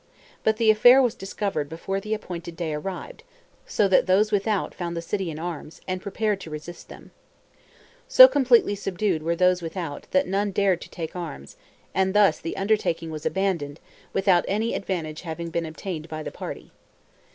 But the affair was discovered before the appointed day arrived, so that those without found the city in arms, and prepared to resist them. So completely subdued were those within, that none dared to take arms; and thus the undertaking was abandoned, without any advantage having been obtained by the party.